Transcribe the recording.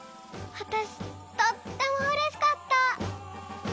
わたしとってもうれしかった。